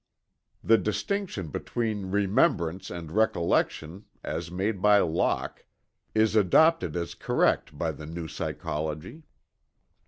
The distinction between remembrance and recollection, as made by Locke, is adopted as correct by The New Psychology.